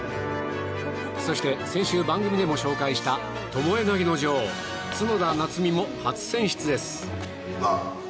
そして先週、番組でも紹介したともえ投げの女王角田夏実も初選出です。